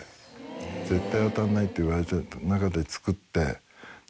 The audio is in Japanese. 絶対当たらないって言われた中で作って。